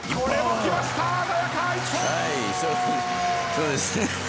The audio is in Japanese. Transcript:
そうですね。